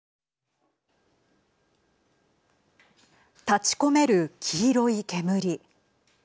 立ち込める黄色い煙。